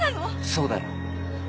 そうだよ。